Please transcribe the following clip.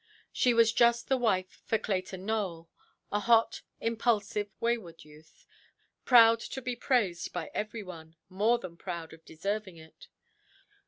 She was just the wife for Clayton Nowell—a hot, impulsive, wayward youth; proud to be praised by every one, more than proud of deserving it.